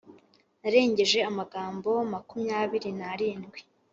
Narengeje amagambo makumyabiri narindwi